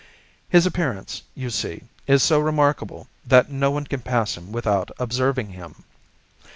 His appearance, you see, is so remarkable that no one can pass him without observing him.